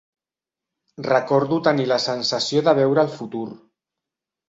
Recordo tenir la sensació de veure el futur.